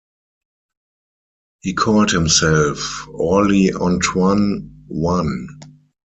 He called himself "Orllie-Antoine I".